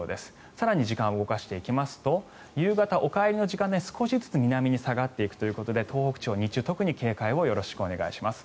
更に時間を進めていきますと夕方、お帰りの時間帯に少しずつ南に下がっていくということで東北地方の方は特に警戒をお願いします。